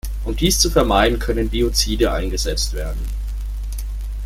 Um dies zu vermeiden, können Biozide eingesetzt werden.